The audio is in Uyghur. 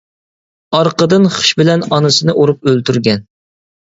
ئارقىدىن خىش بىلەن ئانىسىنى ئۇرۇپ ئۆلتۈرگەن.